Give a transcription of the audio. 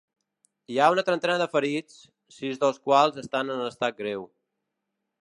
Hi ha una trentena de ferits, sis dels quals estan en estat greu.